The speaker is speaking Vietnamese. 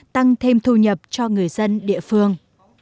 tăng thêm thu nhập cho người dân địa phương